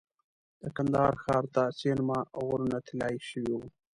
د کندهار ښار ته څېرمه غرونه طلایي شوي وو.